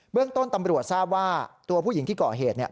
เบื้องต้นตำรวจทราบว่าตัวผู้หญิงที่เกาะเหตุเนี่ย